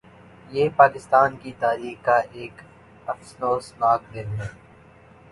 یہ پاکستان کی تاریخ کا ایک افسوسناک دن ہے